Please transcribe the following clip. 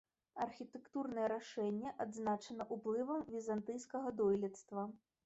Архітэктурнае рашэнне адзначана уплывам візантыйскага дойлідства.